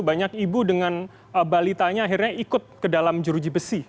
banyak ibu dengan balitanya akhirnya ikut ke dalam jeruji besi